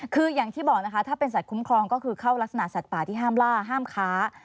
คืออย่างที่บอกนะคะถ้าเป็นสัตวคุ้มครองก็คือเข้ารักษณะสัตว์ป่าที่ห้ามล่าห้ามค้า